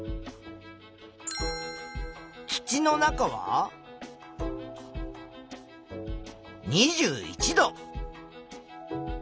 土の中は２１度。